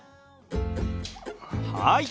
はい！